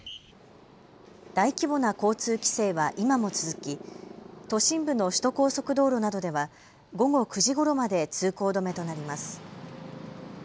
大規模な交通規制は今も続き、都心部の首都高速道路などでは午後９時ごろまで通行止めとなります。